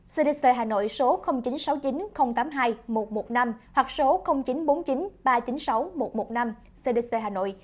cdc hà nội số chín trăm sáu mươi chín tám mươi hai một trăm một mươi năm hoặc số chín trăm bốn mươi chín ba trăm chín mươi sáu một trăm một mươi năm cdc hà nội